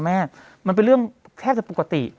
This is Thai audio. มันเป็นเรื่องแทบจะปกติ